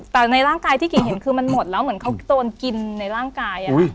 แต่ในร่างกายที่กิ่งเห็นคือมันหมดแล้วเหมือนเขาโดนกินในร่างกาย